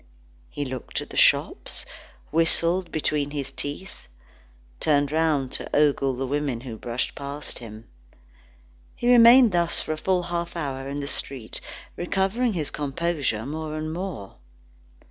He looked at the shops, whistled between his teeth, turned round to ogle the women who brushed past him. He remained thus for a full half hour in the street, recovering his composure more and more.